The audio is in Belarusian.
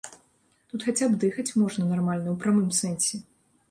Тут хаця б дыхаць можна нармальна ў прамым сэнсе.